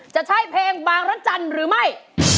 จะใช่เพลงบางรจันทร์หรือไม่